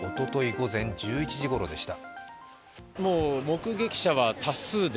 午前１１時ごろでした。